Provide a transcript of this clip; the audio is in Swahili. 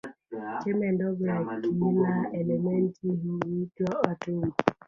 Chembe ndogo ya kila elementi huitwa atomu.